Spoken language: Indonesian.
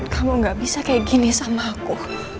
kamu gak bisa kayak gini sama aku